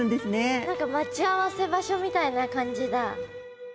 何か待ち合わせ場所みたいな感じだ。